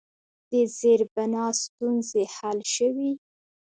د زیربنا ستونزې حل شوي؟